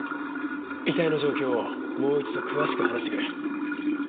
遺体の状況をもう一度詳しく話してくれ。